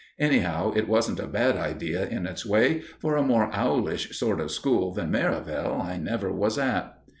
Anyhow, it wasn't a bad idea in its way, for a more owlish sort of school than Merivale I never was at.